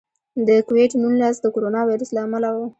د کوویډ نولس د کورونا وایرس له امله و.